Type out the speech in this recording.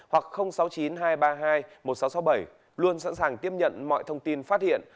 hoặc sáu mươi chín hai trăm ba mươi hai một nghìn sáu trăm sáu mươi bảy luôn sẵn sàng tiếp nhận mọi thông tin phát hiện